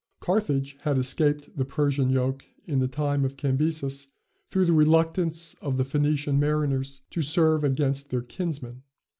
Carthage had escaped the Persian yoke in the time of Cambyses, through the reluctance of the Phoenician mariners to serve against their kinsmen.